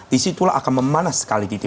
disitulah akan memanas sekali titik